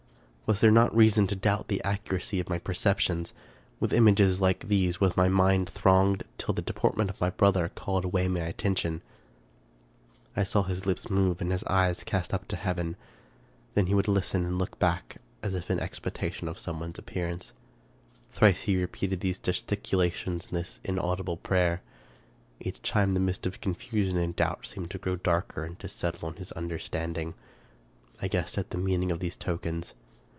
Was there not reason to doubt the accuracy of my perceptions? With images like these was my mind thronged, till the deportment of my brother called away my attention. 292 Charles Brockdcn Broivn I saw his lips move and his eyes cast up to heaven. Then would he listen and look back, as if in expectation of some one's appearance. Thrice he repeated these gesticulations and this inaudible prayer. Each time the mist of confusion and doubt seemed to grow darker and to settle on his understanding. I guessed at the meaning of these tokens.